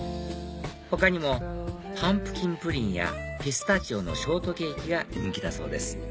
他にもパンプキンプリンやピスタチオのショートケーキが人気だそうです